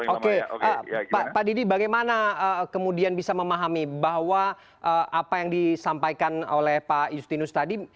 oke pak didi bagaimana kemudian bisa memahami bahwa apa yang disampaikan oleh pak justinus tadi